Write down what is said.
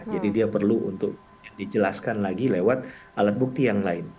dia perlu untuk dijelaskan lagi lewat alat bukti yang lain